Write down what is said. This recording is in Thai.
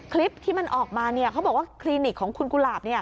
คลิปที่มันออกมาเขาบอกว่าคลินิกของคุณกุหลาบ